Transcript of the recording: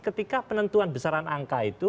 ketika penentuan besaran angka itu